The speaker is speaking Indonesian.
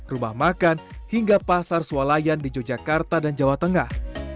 rumah makan hingga pasar sualayan di yogyakarta dan jawa tengah